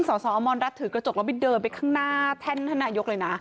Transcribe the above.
สอบอมรรัฐถือกระจกแล้วไปเดินไปข้างหน้าแท่นท่านนายกเลยนะ